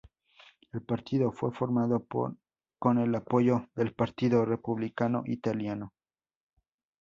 El partido fue formado con el apoyo del Partido Republicano Italiano.